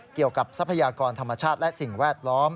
เกี่ยวกับทรัพยากรธรรมชาติและสิ่งแวดล้อม